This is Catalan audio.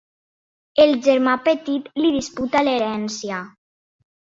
El germà petit li disputa l'herència.